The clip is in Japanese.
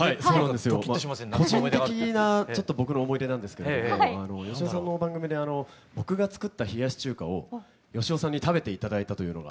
個人的なちょっと僕の思い出なんですけれども芳雄さんの番組で僕が作った冷やし中華を芳雄さんに食べて頂いたというのが。